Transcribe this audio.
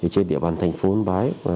trên địa bàn thành phố bái